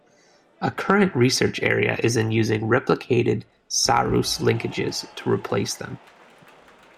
A current research area is in using replicated Sarrus linkages to replace them.